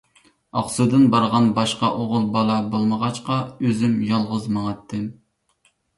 ئاقسۇدىن بارغان باشقا ئوغۇل بالا بولمىغاچقا، ئۆزۈم يالغۇز ماڭاتتىم.